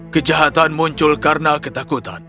kejahatan muncul karena ketakutan